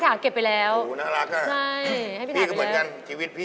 เศร้าไหม